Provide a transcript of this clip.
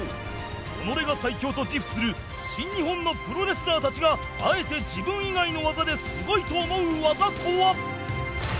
己が最強と自負する新日本のプロレスラーたちがあえて自分以外の技ですごいと思う技とは？